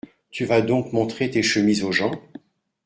Tu vas donc montrer tes chemises aux gens ?